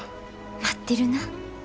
待ってるな。